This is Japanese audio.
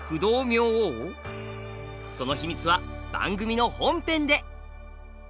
そのヒミツは番組の本編で！